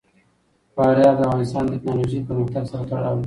فاریاب د افغانستان د تکنالوژۍ پرمختګ سره تړاو لري.